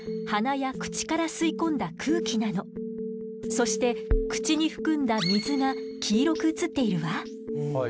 そして口に含んだ「水」が黄色く映っているわ。